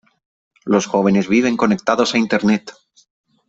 Los jóvenes viven conectados a Internet.